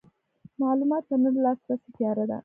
معلوماتو ته نه لاسرسی تیاره ده.